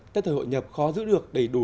tết thời hội nhập khó giữ được đầy đủ